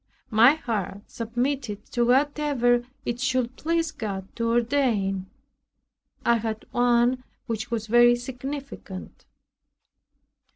My heart submitted to whatever it should please God to ordain. I had one which was very significant.